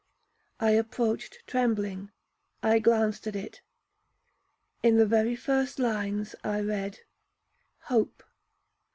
I approached trembling,—I glanced at it,—in the very first lines I read hope.